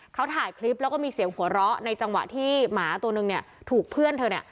เขาถ่ายคลิปแล้วก็มีเสียงหัวเราะในจังหวะที่หมาตัวนึงเนี่ยถูกเพื่อนเธอเนี่ย